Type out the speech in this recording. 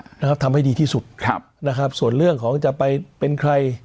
นะครับทำให้ดีที่สุดครับนะครับส่วนเรื่องของจะไปเป็นใคร